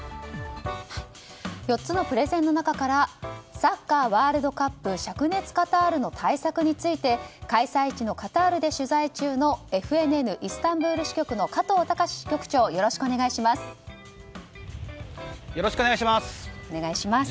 ４つのプレゼンの中からサッカーワールドカップ灼熱カタールの対策について開催地のカタールで取材中のＦＮＮイスタンブール支局の加藤崇支局長よろしくお願いします。